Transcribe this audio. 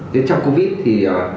thế trong covid thì